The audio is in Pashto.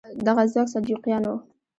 دغه ځواک سلجوقیان وو.